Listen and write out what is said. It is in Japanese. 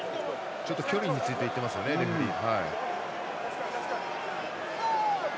ちょっと距離について言ってますね、レフリー。